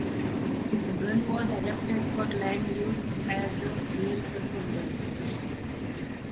The gun was adapted for land use as a dual-purpose gun.